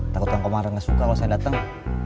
takut kang komar gak suka kalau saya dateng